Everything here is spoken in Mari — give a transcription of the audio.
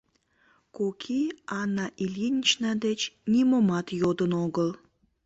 Кок ий Анна Ильинична деч нимомат йодын огыл.